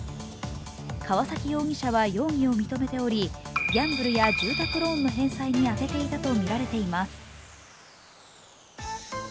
川崎容疑者は容疑を認めており、ギャンブルや住宅ローンの返済に充てていたとみられています。